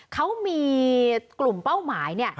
เขามีกลุ่มเป้าหมายเนี่ย